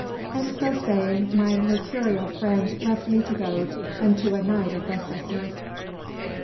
And so saying, my mercurial friend left me to Gode and a night of restlessness.